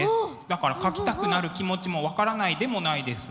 だから描きたくなる気持ちも分からないでもないです。